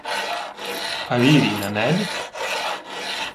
— А вірій на небі?